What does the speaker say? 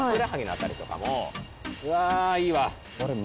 うわいいわ。